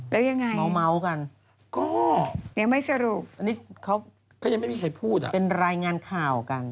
แล้วยังไงเนี่ยไม่สรุปอันนี้เขาเป็นรายงานข่าวกัน